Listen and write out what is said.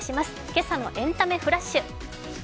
今朝のエンタメフラッシュ。